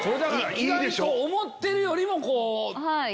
意外と思ってるよりも。